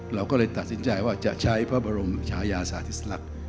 เราก็เลยตัดสินใจว่าจะใช้พระบรมชายาสาธิสลักษณ์